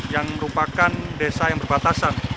yang merupakan desa yang berbatasan